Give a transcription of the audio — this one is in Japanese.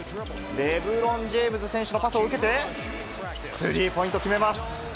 レブロン・ジェームズ選手のパスを受けて、スリーポイント決めます。